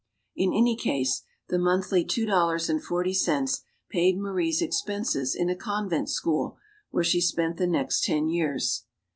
In any case, the monthly two dollars and forty cents paid Marie's expenses in a convent school, where she spent the next ten years.